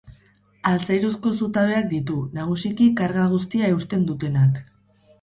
Altzairuzko zutabeak ditu, nagusiki karga guztia eusten dutenak.